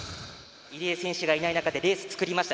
入江選手がいない中でレースに臨みました。